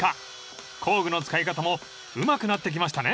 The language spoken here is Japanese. ［工具の使い方もうまくなってきましたね］